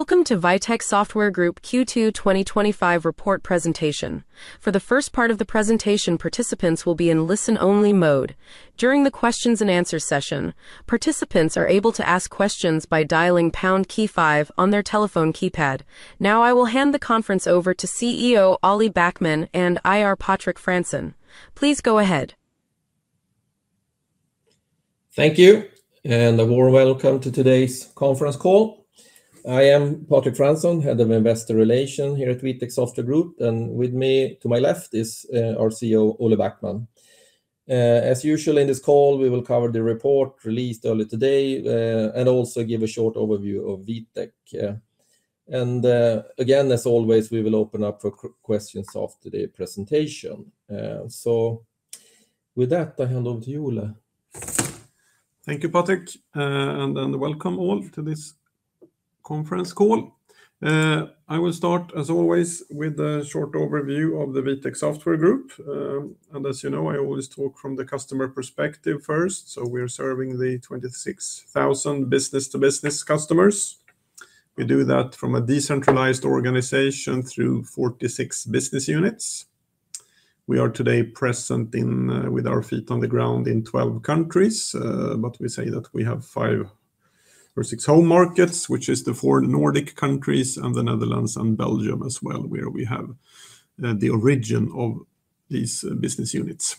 Welcome to Vitec Software Group AB Q2 2025 report presentation. For the first part of the presentation, participants will be in listen-only mode. During the questions and answers session, participants are able to ask questions by dialing 5 on their telephone keypad. Now, I will hand the conference over to CEO Olle Backman and Head of Investor Relations Patrik Fransson. Please go ahead. Thank you, and a warm welcome to today's conference call. I am Patrik Fransson, Head of Investor Relations here at Vitec Software Group AB, and with me to my left is our CEO Olle Backman. As usual in this call, we will cover the report released earlier today and also give a short overview of Vitec. As always, we will open up for questions after the presentation. With that, I hand over to Olle. Thank you, Patrik, and then welcome all to this conference call. I will start, as always, with a short overview of the Vitec Software Group AB. As you know, I always talk from the customer perspective first. We are serving the 26,000 B2B customers. We do that from a decentralized organization through 46 business units. We are today present with our feet on the ground in 12 countries. We say that we have five or six home markets, which are the four Nordic countries and the Netherlands and Belgium as well, where we have the origin of these business units.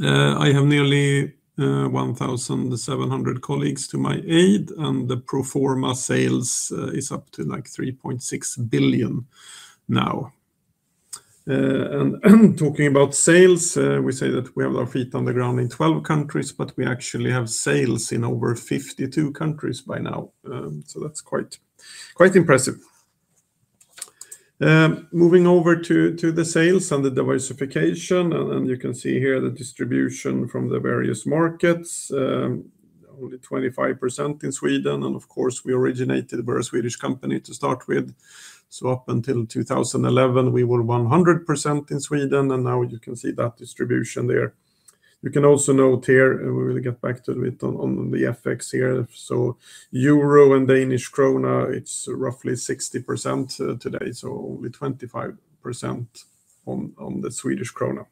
I have nearly 1,700 colleagues to my aid, and the pro forma sales is up to 3.6 billion now. Talking about sales, we say that we have our feet on the ground in 12 countries, but we actually have sales in over 52 countries by now. That's quite impressive. Moving over to the sales and the diversification, you can see here the distribution from the various markets, only 25% in Sweden. Of course, we originated, we're a Swedish company to start with. Up until 2011, we were 100% in Sweden, and now you can see that distribution there. You can also note here, we will get back to it on the FX here. Euro and Danish krona, it's roughly 60% today, so only 25% on the Swedish krona.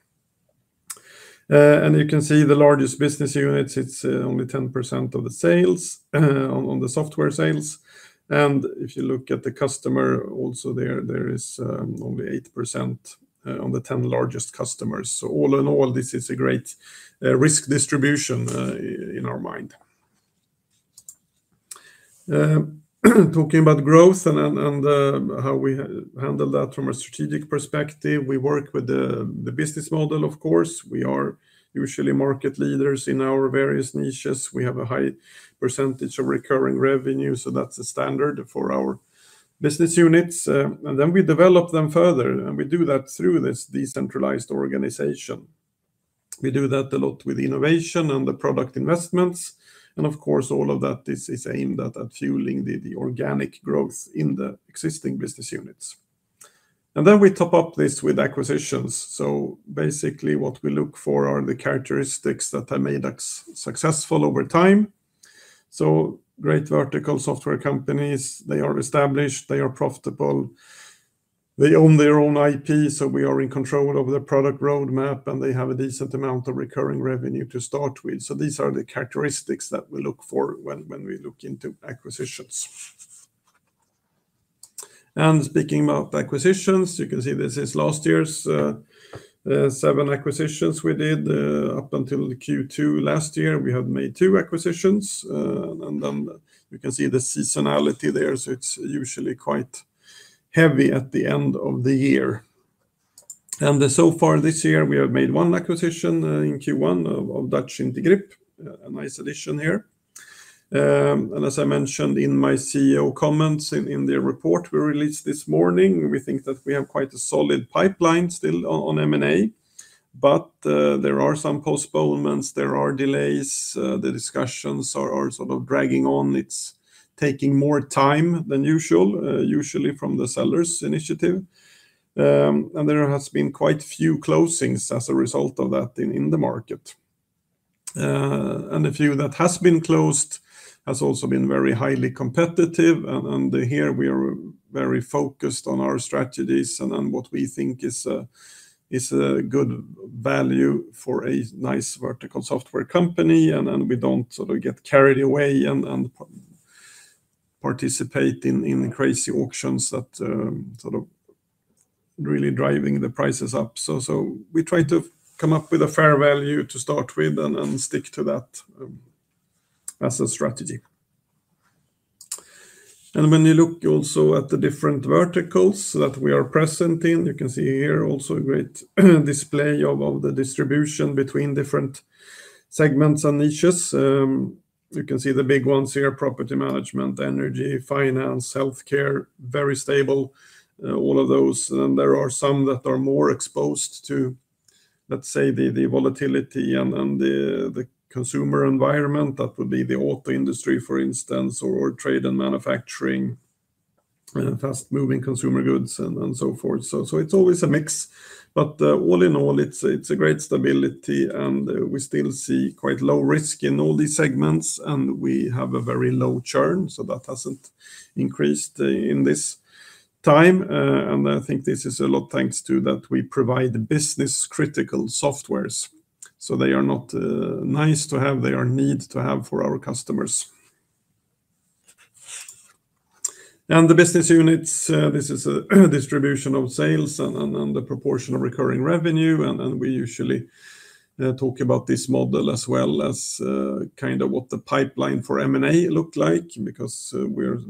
You can see the largest business units, it's only 10% of the sales on the software sales. If you look at the customer also there, there is only 8% on the 10 largest customers. All in all, this is a great risk distribution in our mind. Talking about growth and how we handle that from a strategic perspective, we work with the business model, of course. We are usually market leaders in our various niches. We have a high percentage of recurring revenue, so that's a standard for our business units. We develop them further, and we do that through this decentralized organization. We do that a lot with innovation and the product investments. All of that is aimed at fueling the organic growth in the existing business units. We top up this with acquisitions. Basically, what we look for are the characteristics that have made us successful over time. Great vertical software companies, they are established, they are profitable, they own their own IP, so we are in control of the product roadmap, and they have a decent amount of recurring revenue to start with. These are the characteristics that we look for when we look into acquisitions. Speaking about acquisitions, you can see this is last year's seven acquisitions we did up until Q2 last year. We had made two acquisitions, and you can see the seasonality there. It's usually quite heavy at the end of the year. So far this year, we have made one acquisition in Q1 of Dutch Integrip, a nice addition here. As I mentioned in my CEO comments in the report we released this morning, we think that we have quite a solid pipeline still on M&A, but there are some postponements, there are delays, the discussions are sort of dragging on. It's taking more time than usual, usually from the seller's initiative. There have been quite a few closings as a result of that in the market. The few that have been closed have also been very highly competitive. Here we are very focused on our strategies and what we think is a good value for a nice vertical software company. We don't sort of get carried away and participate in crazy auctions that are really driving the prices up. We try to come up with a fair value to start with and stick to that as a strategy. When you look also at the different verticals that we are present in, you can see here also a great display of the distribution between different segments and niches. You can see the big ones here: property management, energy, finance, healthcare, very stable, all of those. There are some that are more exposed to, let's say, the volatility and the consumer environment. That would be the auto industry, for instance, or trade and manufacturing, fast-moving consumer goods, and so forth. It's always a mix. All in all, it's a great stability. We still see quite low risk in all these segments, and we have a very low churn. That hasn't increased in this time. I think this is a lot thanks to that we provide business-critical softwares. They are not nice to have, they are need to have for our customers. The business units, this is a distribution of sales and the proportion of recurring revenue. We usually talk about this model as well as kind of what the pipeline for M&A looked like because we're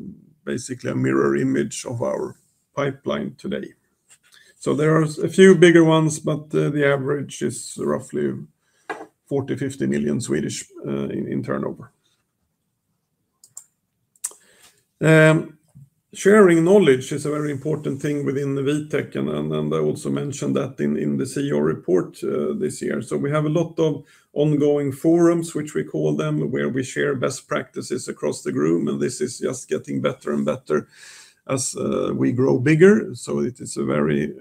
basically a mirror image of our pipeline today. There are a few bigger ones, but the average is roughly 40-50 million in turnover. Sharing knowledge is a very important thing within Vitec. I also mentioned that in the CEO report this year. We have a lot of ongoing forums, which we call them, where we share best practices across the room. This is just getting better and better as we grow bigger. It is very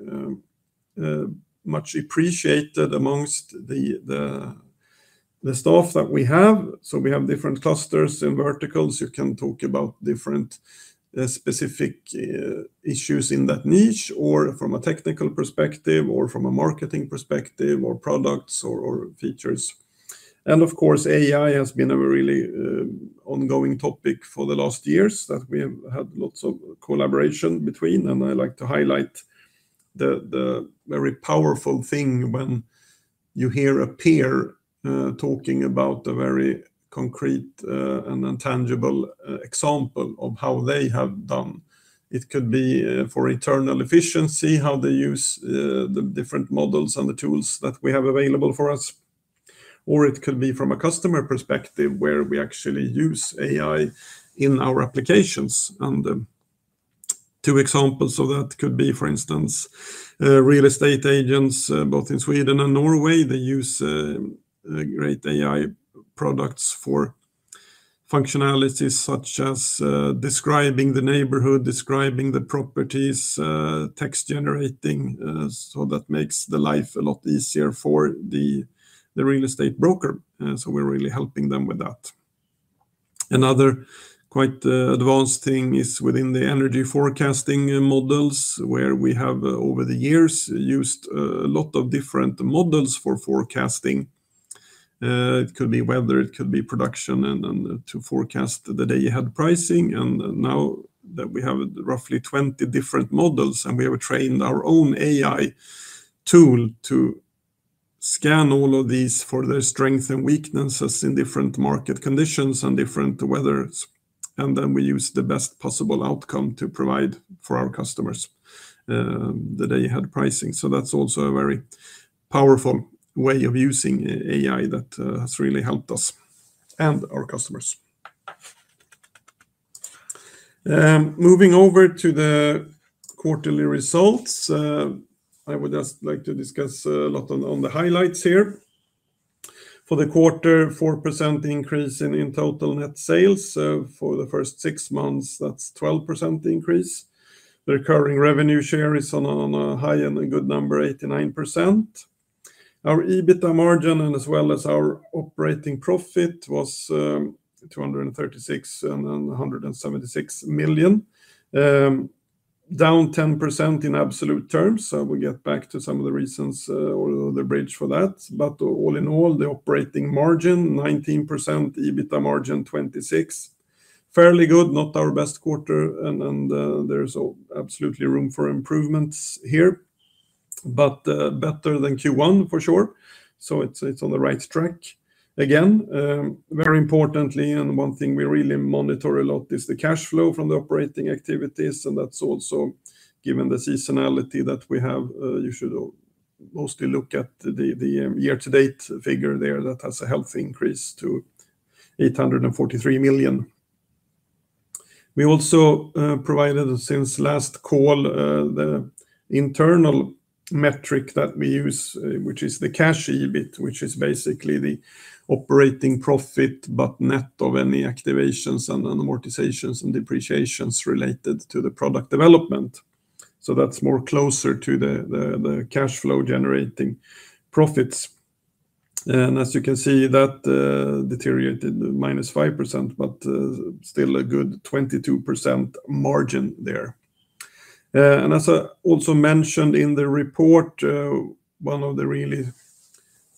much appreciated amongst the staff that we have. We have different clusters and verticals. You can talk about different specific issues in that niche, or from a technical perspective, or from a marketing perspective, or products or features. Of course, AI has been a really ongoing topic for the last years that we have had lots of collaboration between. I like to highlight the very powerful thing when you hear a peer talking about a very concrete and tangible example of how they have done. It could be for internal efficiency, how they use the different models and the tools that we have available for us. Or it could be from a customer perspective where we actually use AI in our applications. Two examples of that could be, for instance, real estate agents, both in Sweden and Norway. They use great AI products for functionalities such as describing the neighborhood, describing the properties, text generating. That makes the life a lot easier for the real estate broker. We're really helping them with that. Another quite advanced thing is within the energy forecasting models, where we have over the years used a lot of different models for forecasting. It could be weather, it could be production, and to forecast the day ahead pricing. Now that we have roughly 20 different models, we have trained our own AI tool to scan all of these for their strengths and weaknesses in different market conditions and different weathers. Then we use the best possible outcome to provide for our customers the day ahead pricing. That's also a very powerful way of using AI that has really helped us and our customers. Moving over to the quarterly results, I would just like to discuss a lot on the highlights here. For the quarter, a 4% increase in total net sales. For the first six months, that's a 12% increase. The recurring revenue share is on a high and a good number, 89%. Our EBITDA margin and as well as our operating profit was 236 million and 176 million, down 10% in absolute terms. We will get back to some of the reasons or the bridge for that. All in all, the operating margin, 19%, EBITDA margin, 26%. Fairly good, not our best quarter, and there's absolutely room for improvements here, but better than Q1 for sure. It's on the right track. Again, very importantly, one thing we really monitor a lot is the cash flow from the operating activities. That's also given the seasonality that we have. You should mostly look at the year-to-date figure there that has a healthy increase to 843 million. We also provided since last call the internal metric that we use, which is the cash EBIT, which is basically the operating profit but net of any activations and amortizations and depreciations related to the product development. That's more closer to the cash flow generating profits. As you can see, that deteriorated to minus 5%, but still a good 22% margin there. As I also mentioned in the report, one of the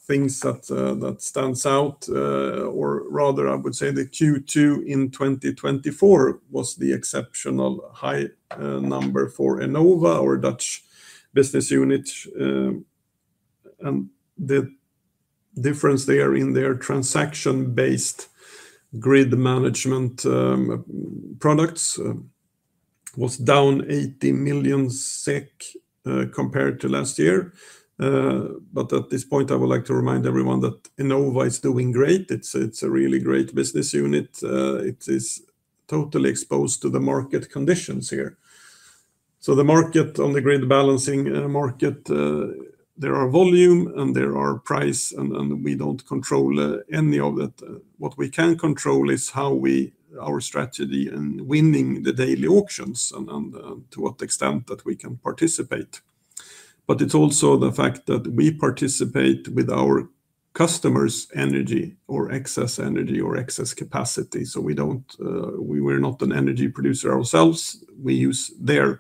things that stands out, or rather I would say the Q2 in 2024 was the exceptional high number for Enova, our Dutch business unit. The difference there in their transaction-based grid management products was down 80 million SEK compared to last year. At this point, I would like to remind everyone that Enova is doing great. It's a really great business unit. It is totally exposed to the market conditions here. The market on the grid balancing market, there are volume and there are price, and we don't control any of that. What we can control is our strategy and winning the daily auctions and to what extent we can participate. It's also the fact that we participate with our customers' energy or excess energy or excess capacity. We don't, we're not an energy producer ourselves. We use their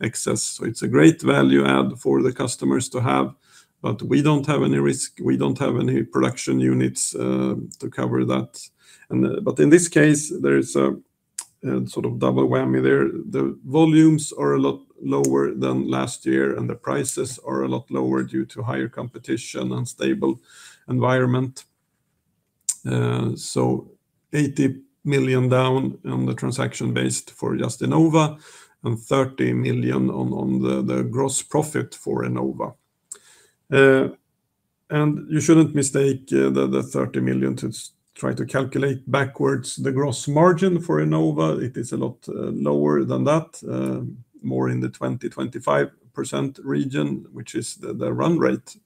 excess. It's a great value add for the customers to have, but we don't have any risk. We don't have any production units to cover that. In this case, there is a sort of double whammy there. The volumes are a lot lower than last year, and the prices are a lot lower due to higher competition and stable environment. 80 million down on the transaction-based for just Enova and 30 million on the gross profit for Enova. You shouldn't mistake the 30 million to try to calculate backwards the gross margin for Enova. It is a lot lower than that, more in the 20-25% region, which is the run rate.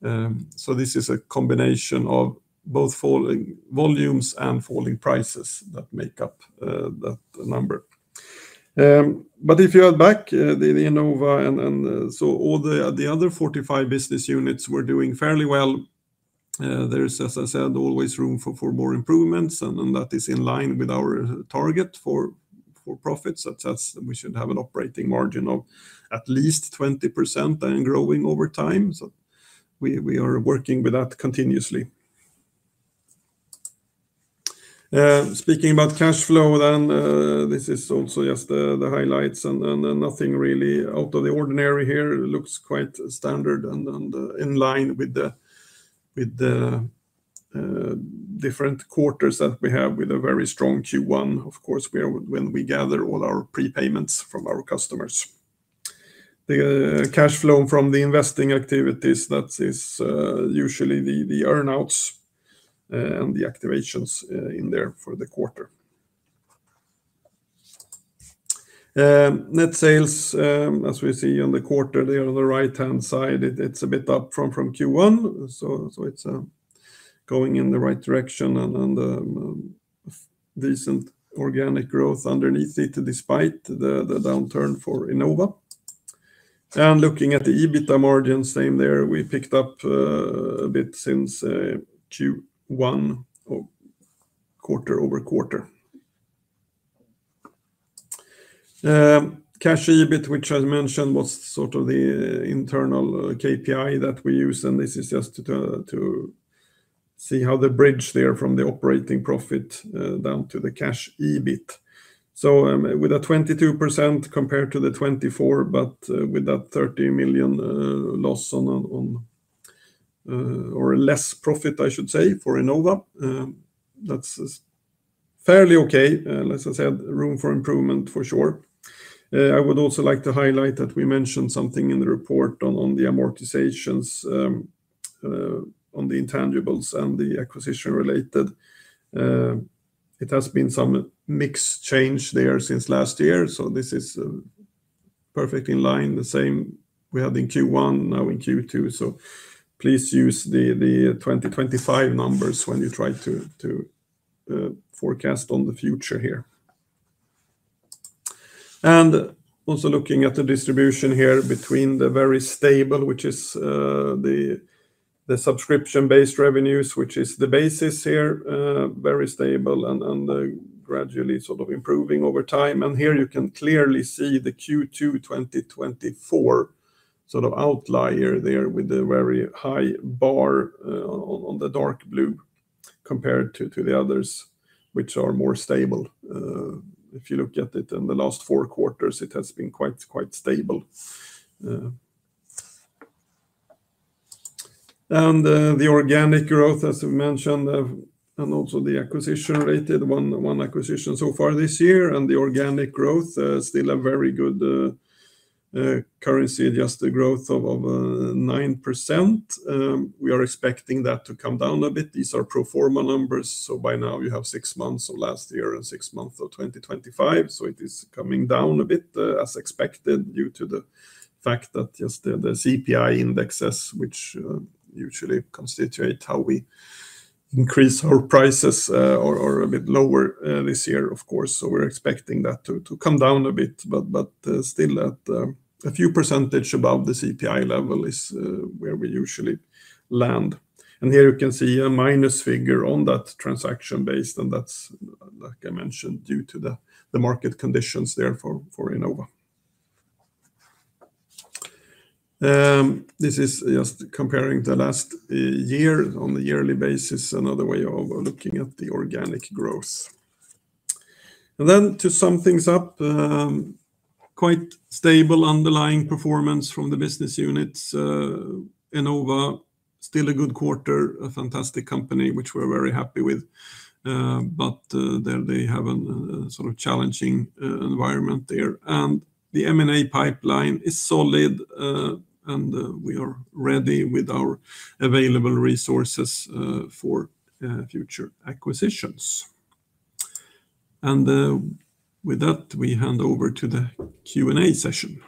This is a combination of both falling volumes and falling prices that make up that number. If you add back the Enova and all the other 45 business units were doing fairly well. There is, as I said, always room for more improvements, and that is in line with our target for profits. That says we should have an operating margin of at least 20% and growing over time. We are working with that continuously. Speaking about cash flow, this is also just the highlights, and nothing really out of the ordinary here. It looks quite standard and in line with the different quarters that we have with a very strong Q1, of course, when we gather all our prepayments from our customers. The cash flow from the investing activities is usually the earnouts and the activations in there for the quarter. Net sales, as we see in the quarter there on the right-hand side, it's a bit up from Q1. It's going in the right direction and decent organic growth underneath it despite the downturn for Enova. Looking at the EBITDA margin, same there, we picked up a bit since Q1, quarter over quarter. Cash EBIT, which I mentioned, was sort of the internal KPI that we use, and this is just to see how the bridge there from the operating profit down to the cash EBIT. With a 22% compared to the 24%, but with that $30 million loss on or less profit, I should say, for Enova, that's fairly okay. As I said, room for improvement for sure. I would also like to highlight that we mentioned something in the report on the amortizations, on the intangibles, and the acquisition related. It has been some mixed change there since last year. This is perfectly in line, the same we had in Q1, now in Q2. Please use the 2025 numbers when you try to forecast on the future here. Also looking at the distribution here between the very stable, which is the subscription-based revenues, which is the basis here, very stable and gradually sort of improving over time. Here you can clearly see the Q2 2024 sort of outlier there with the very high bar on the dark blue compared to the others, which are more stable. If you look at it in the last four quarters, it has been quite stable. The organic growth, as we mentioned, and also the acquisition related, one acquisition so far this year, and the organic growth is still a very good currency, just the growth of 9%. We are expecting that to come down a bit. These are pro forma numbers. By now you have six months of last year and six months of 2025. It is coming down a bit as expected due to the fact that just the CPI indexes, which usually constitute how we increase our prices, are a bit lower this year, of course. We're expecting that to come down a bit, but still at a few percentage above the CPI level is where we usually land. Here you can see a minus figure on that transaction-based, and that's, like I mentioned, due to the market conditions there for Enova. This is just comparing the last year on a yearly basis, another way of looking at the organic growth. To sum things up, quite stable underlying performance from the business units. Enova, still a good quarter, a fantastic company, which we're very happy with. They have a sort of challenging environment there. The M&A pipeline is solid, and we are ready with our available resources for future acquisitions. With that, we hand over to the Q&A session.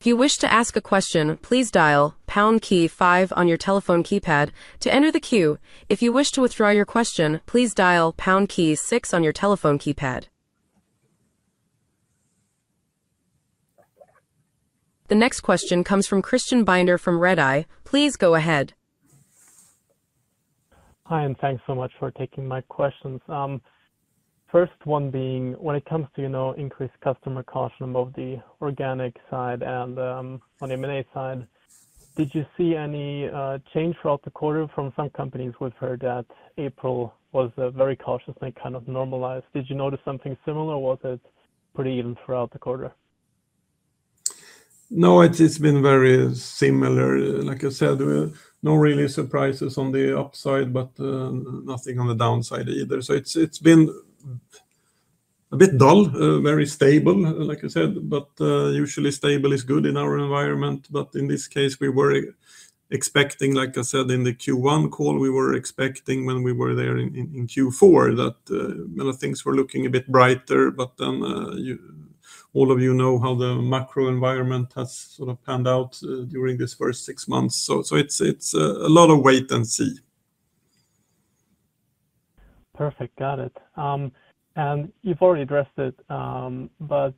If you wish to ask a question, please dial #KEY5 on your telephone keypad to enter the queue. If you wish to withdraw your question, please dial #KEY6 on your telephone keypad. The next question comes from Christian Binder from Redeye. Please go ahead. Hi, and thanks so much for taking my questions. First one being, when it comes to increased customer caution about the organic side and on the M&A side, did you see any change throughout the quarter? From some companies, we've heard that April was very cautious and kind of normalized. Did you notice something similar? Was it pretty even throughout the quarter? No, it's been very similar. Like I said, no really surprises on the upside, but nothing on the downside either. It's been a bit dull, very stable, like I said, but usually stable is good in our environment. In this case, we were expecting, like I said in the Q1 call, we were expecting when we were there in Q4 that things were looking a bit brighter. All of you know how the macro environment has sort of panned out during this first six months. It's a lot of wait and see. Perfect, got it. You've already addressed it, but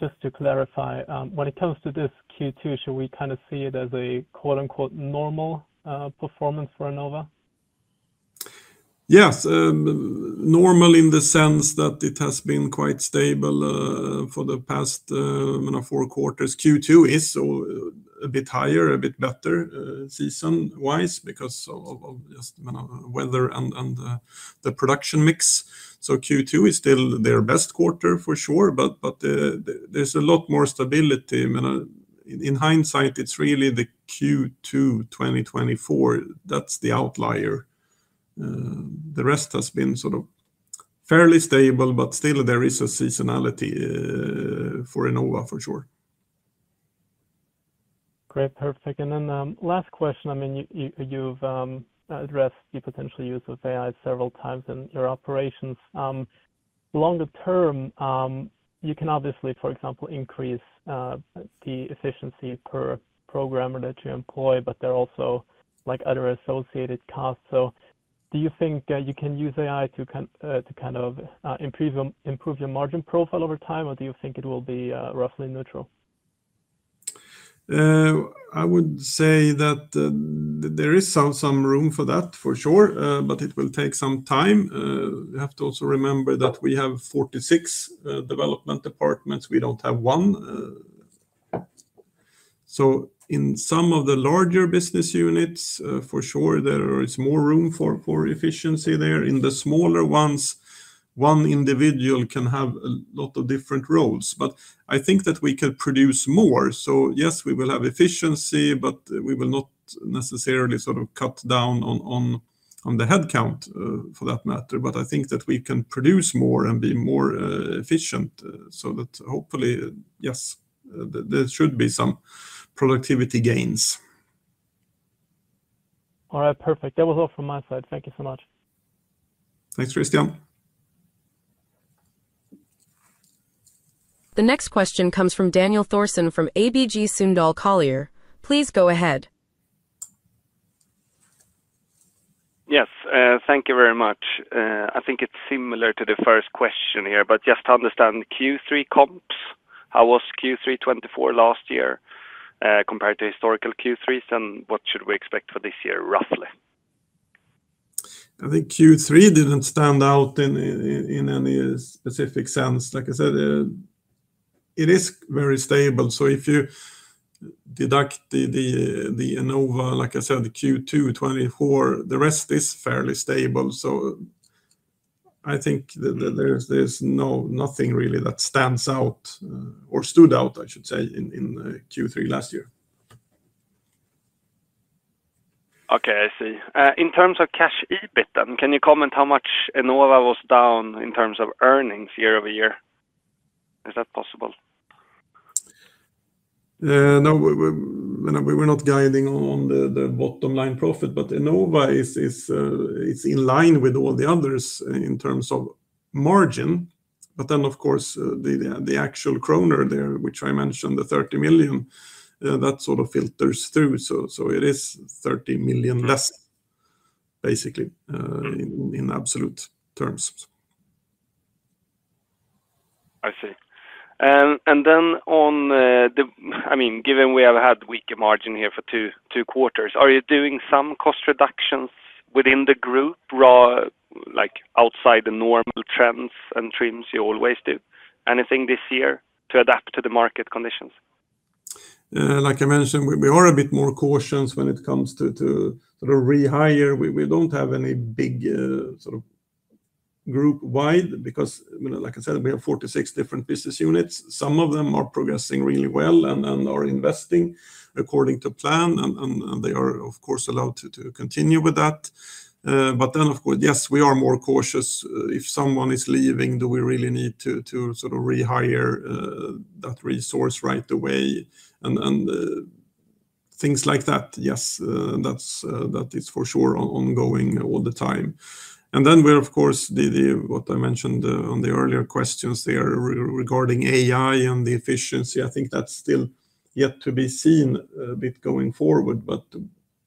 just to clarify, when it comes to this Q2, should we kind of see it as a "normal" performance for Enova? Yes, normal in the sense that it has been quite stable for the past four quarters. Q2 is a bit higher, a bit better season-wise because of just weather and the production mix. Q2 is still their best quarter for sure, but there's a lot more stability. In hindsight, it's really the Q2 2024 that's the outlier. The rest has been sort of fairly stable, but still there is a seasonality for Enova for sure. Great, perfect. Last question, I mean, you've addressed the potential use of AI several times in your operations. Longer term, you can obviously, for example, increase the efficiency per programmer that you employ, but there are also like other associated costs. Do you think you can use AI to kind of improve your margin profile over time, or do you think it will be roughly neutral? I would say that there is some room for that for sure, but it will take some time. You have to also remember that we have 46 development departments. We don't have one. In some of the larger business units, for sure, there is more room for efficiency there. In the smaller ones, one individual can have a lot of different roles. I think that we can produce more. Yes, we will have efficiency, but we will not necessarily sort of cut down on the headcount for that matter. I think that we can produce more and be more efficient. Hopefully, yes, there should be some productivity gains. All right, perfect. That was all from my side. Thank you so much. Thanks, Christian. The next question comes from Daniel Thorsson from ABG Sundal Collier. Please go ahead. Yes, thank you very much. I think it's similar to the first question here, but just to understand Q3 comps, how was Q3 2024 last year compared to historical Q3s, and what should we expect for this year roughly? I think Q3 didn't stand out in any specific sense. Like I said, it is very stable. If you deduct the Enova, like I said, Q2 2024, the rest is fairly stable. I think there's nothing really that stands out or stood out, I should say, in Q3 last year. Okay, I see. In terms of cash EBIT, can you comment how much Enova was down in terms of earnings year over year? Is that possible? No, we were not guiding on the bottom line profit, but Enova is in line with all the others in terms of margin. Of course, the actual kroner there, which I mentioned, the 30 million, that sort of filters through. It is 30 million less, basically, in absolute terms. I see. Given we have had weaker margin here for two quarters, are you doing some cost reductions within the group, like outside the normal trends and trims you always do? Anything this year to adapt to the market conditions? Like I mentioned, we are a bit more cautious when it comes to the rehire. We don't have any big sort of group-wide, because like I said, we have 46 different business units. Some of them are progressing really well and are investing according to plan, and they are, of course, allowed to continue with that. Of course, yes, we are more cautious. If someone is leaving, do we really need to sort of rehire that resource right away? Things like that, yes, that is for sure ongoing all the time. What I mentioned on the earlier questions there regarding AI and the efficiency, I think that's still yet to be seen a bit going forward.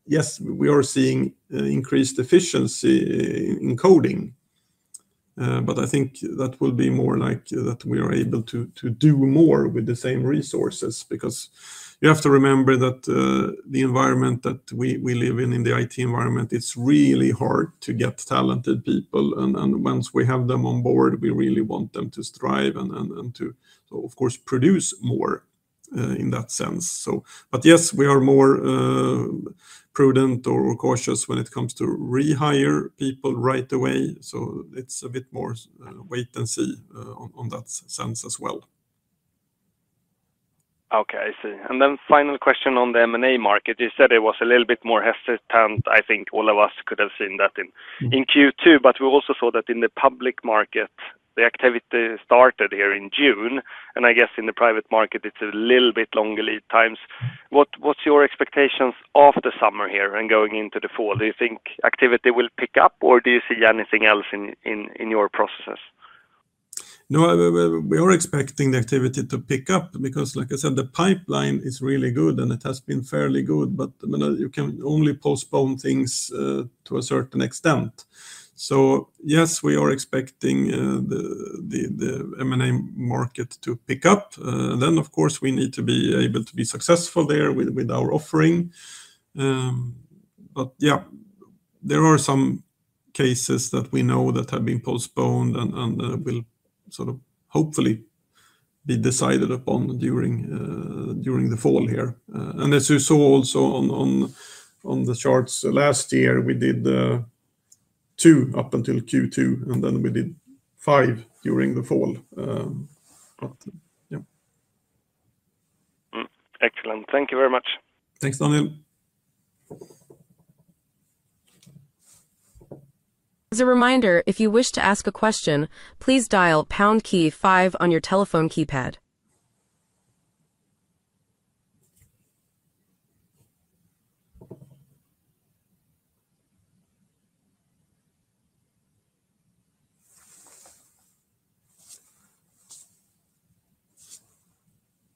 Yes, we are seeing increased efficiency in coding. I think that will be more like that we are able to do more with the same resources, because you have to remember that the environment that we live in, in the IT environment, it's really hard to get talented people. Once we have them on board, we really want them to strive and to, of course, produce more in that sense. Yes, we are more prudent or cautious when it comes to rehire people right away. It's a bit more wait and see on that sense as well. Okay, I see. Final question on the M&A market. You said it was a little bit more hesitant. I think all of us could have seen that in Q2, but we also saw that in the public market, the activity started here in June. I guess in the private market, it's a little bit longer lead times. What's your expectations of the summer here and going into the fall? Do you think activity will pick up or do you see anything else in your processes? No, we are expecting the activity to pick up because, like I said, the pipeline is really good and it has been fairly good. You can only postpone things to a certain extent. Yes, we are expecting the M&A market to pick up. Of course, we need to be able to be successful there with our offering. There are some cases that we know have been postponed and will hopefully be decided upon during the fall here. As you saw also on the charts last year, we did two up until Q2 and then we did five during the fall. Excellent. Thank you very much. Thanks, Daniel. As a reminder, if you wish to ask a question, please dial #KEY5 on your telephone keypad.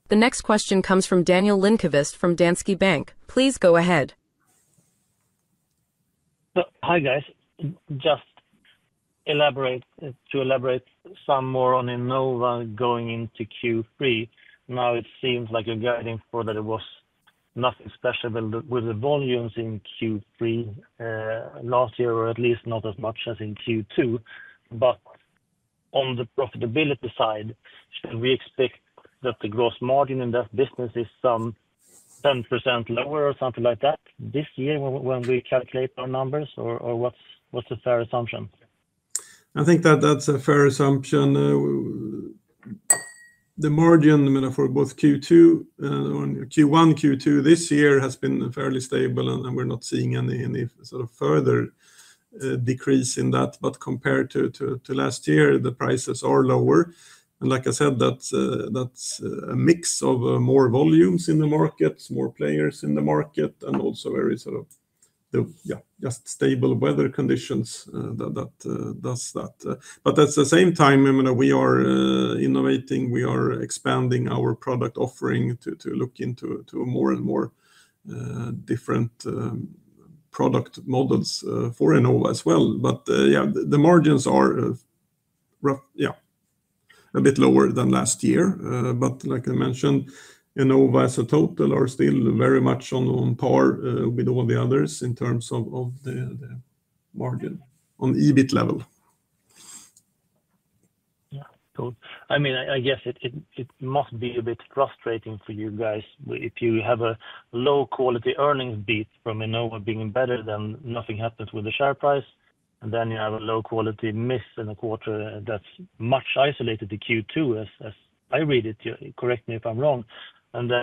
The next question comes from Daniel Lindkvist from Danske Bank. Please go ahead. Hi guys, just to elaborate some more on Enova going into Q3. Now it seems like you're guiding for that it was nothing special with the volumes in Q3 last year, or at least not as much as in Q2. On the profitability side, should we expect that the gross margin in that business is some 10% lower or something like that this year when we calculate our numbers, or what's a fair assumption? I think that that's a fair assumption. The margin for both Q1 and Q2 this year has been fairly stable, and we're not seeing any sort of further decrease in that. Compared to last year, the prices are lower. Like I said, that's a mix of more volumes in the markets, more players in the market, and also just very stable weather conditions that does that. At the same time, we are innovating, we are expanding our product offering to look into more and more different product models for Enova as well. The margins are a bit lower than last year. Like I mentioned, Enova as a total are still very much on par with all the others in terms of the margin on EBIT level. I mean, I guess it must be a bit frustrating for you guys if you have a low-quality earnings beat from Enova being better than nothing happens with the share price. Then you have a low-quality miss in a quarter that's much isolated to Q2, as I read it. Correct me if I'm wrong.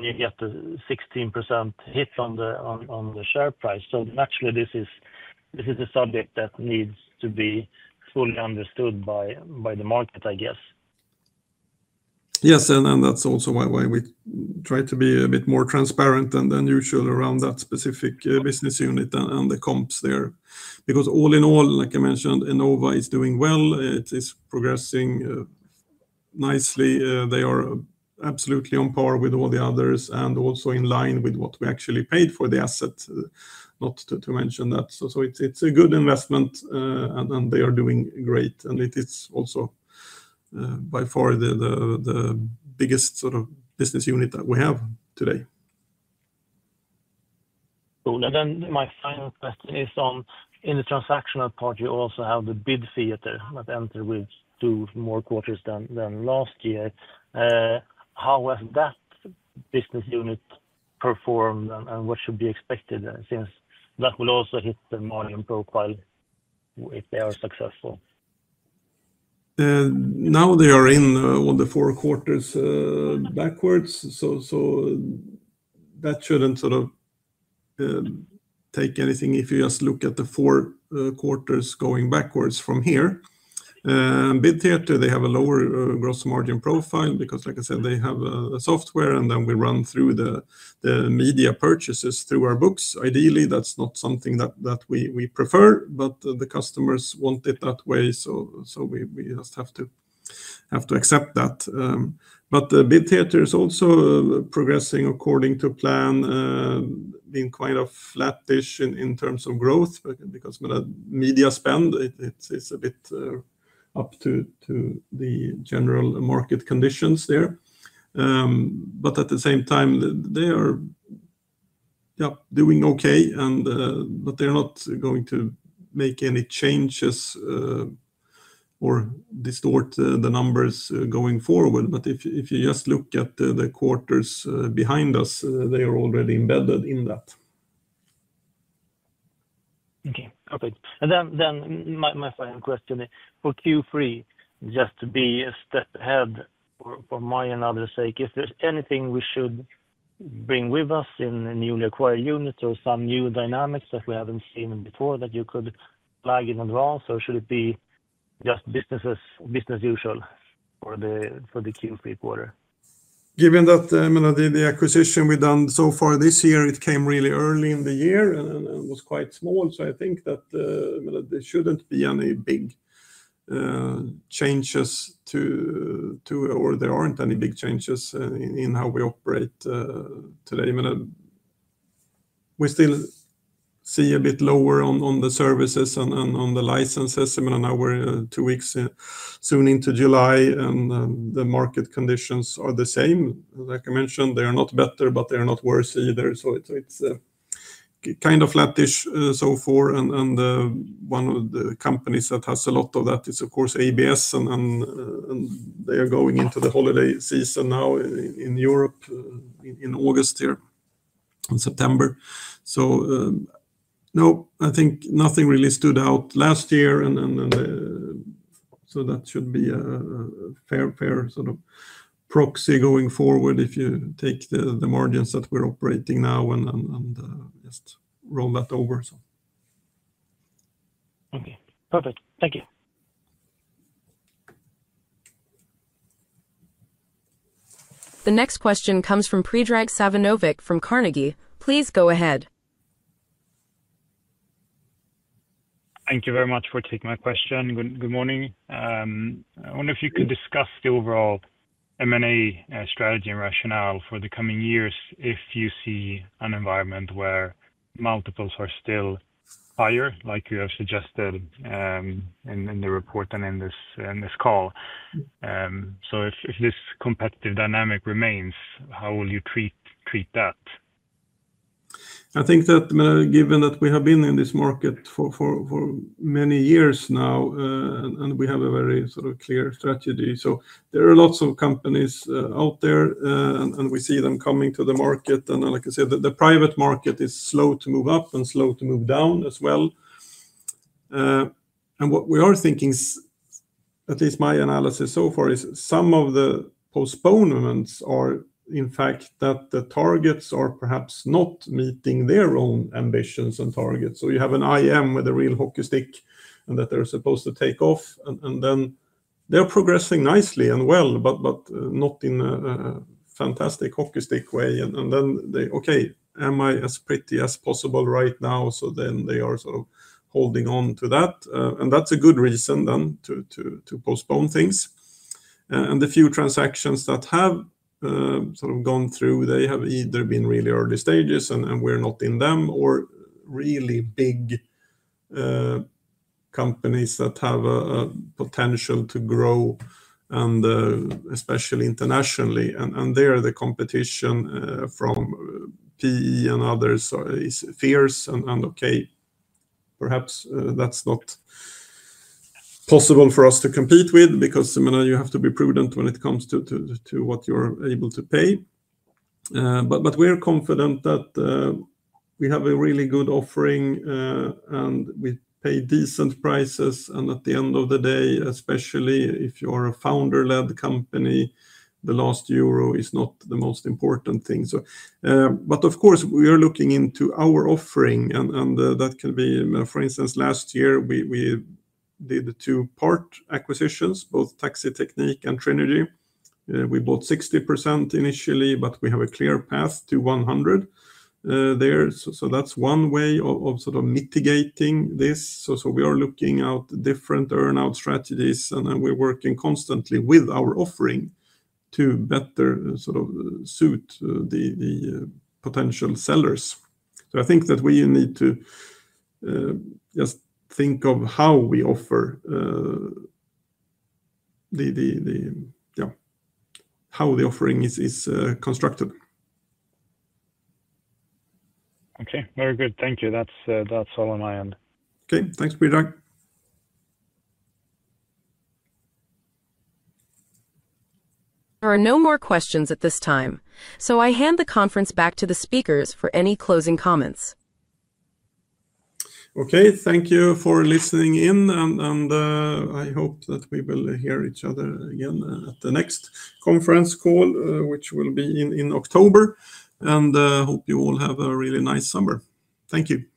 You get the 16% hit on the share price. Naturally, this is a subject that needs to be fully understood by the market, I guess. Yes, and that's also why we try to be a bit more transparent than usual around that specific business unit and the comps there. Because all in all, like I mentioned, Enova is doing well. It is progressing nicely. They are absolutely on par with all the others and also in line with what we actually paid for the asset, not to mention that. It's a good investment and they are doing great. It is also by far the biggest sort of business unit that we have today. Cool. My final question is on the transactional part. You also have the Enova business unit that entered with two more quarters than last year. How has that business unit performed, and what should be expected since that will also hit the margin profile if they are successful? Now they are in all the four quarters backwards. That shouldn't sort of take anything if you just look at the four quarters going backwards from here. Bid Theater, they have a lower gross margin profile because, like I said, they have a software and then we run through the media purchases through our books. Ideally, that's not something that we prefer, but the customers want it that way. We just have to accept that. Bid Theater is also progressing according to plan, being quite a flattish in terms of growth because media spend, it is a bit up to the general market conditions there. At the same time, they are doing okay, but they're not going to make any changes or distort the numbers going forward. If you just look at the quarters behind us, they are already embedded in that. Okay, perfect. My final question for Q3, just to be a step ahead for my and others' sake, is there anything we should bring with us in a newly acquired unit or some new dynamics that we haven't seen before that you could flag in advance, or should it be just business as usual for the Q3 quarter? Given that the acquisition we've done so far this year, it came really early in the year and was quite small. I think that there shouldn't be any big changes to, or there aren't any big changes in how we operate today. We still see a bit lower on the services and on the licenses. I mean, now we're two weeks soon into July and the market conditions are the same. Like I mentioned, they are not better, but they are not worse either. It's kind of flattish so far. One of the companies that has a lot of that is, of course, ABS. They are going into the holiday season now in Europe in August here and September.I think nothing really stood out last year, and that should be a fair, fair sort of proxy going forward if you take the margins that we're operating now and just roll that over. Okay, perfect. Thank you. The next question comes from Predrag Savinovic from Carnegie. Please go ahead. Thank you very much for taking my question. Good morning. I wonder if you could discuss the overall M&A strategy and rationale for the coming years if you see an environment where multiples are still higher, like you have suggested in the report and in this call. If this competitive dynamic remains, how will you treat that? I think that given that we have been in this market for many years now and we have a very sort of clear strategy, there are lots of companies out there and we see them coming to the market. Like I said, the private market is slow to move up and slow to move down as well. What we are thinking, at least my analysis so far, is some of the postponements are, in fact, that the targets are perhaps not meeting their own ambitions and targets. You have an IM with a real hockey stick and that they're supposed to take off. They're progressing nicely and well, but not in a fantastic hockey stick way. They, okay, am I as pretty as possible right now? They are sort of holding on to that. That's a good reason then to postpone things. The few transactions that have sort of gone through have either been really early stages and we're not in them or really big companies that have a potential to grow, especially internationally. There the competition from PE and others is fierce. Okay, perhaps that's not possible for us to compete with because you have to be prudent when it comes to what you're able to pay. We're confident that we have a really good offering and we pay decent prices. At the end of the day, especially if you are a founder-led company, the last euro is not the most important thing. Of course, we are looking into our offering. That can be, for instance, last year we did two part acquisitions, both Taxi Technique and Trinity. We bought 60% initially, but we have a clear path to 100 there. That's one way of sort of mitigating this. We are looking at different earnout strategies and we're working constantly with our offering to better sort of suit the potential sellers. I think that we need to just think of how we offer, how the offering is constructed. Okay, very good. Thank you. That's all on my end. Okay, thanks, Predrag. There are no more questions at this time. I hand the conference back to the speakers for any closing comments. Thank you for listening in. I hope that we will hear each other again at the next conference call, which will be in October. I hope you all have a really nice summer. Thank you.